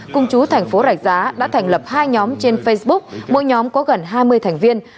cùng chú thành phố rạch giá đã thành lập hai nhóm trên facebook mỗi nhóm có gần hai mươi thành viên